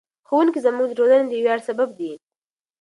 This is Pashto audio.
ښوونکي زموږ د ټولنې د ویاړ سبب دي.